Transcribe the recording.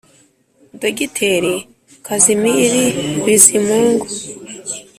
dogiteri kazimiri bizimungu.